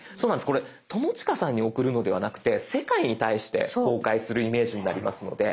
これ友近さんに送るのではなくて世界に対して公開するイメージになりますので。